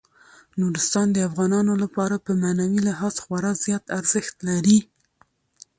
نورستان د افغانانو لپاره په معنوي لحاظ خورا زیات ارزښت لري.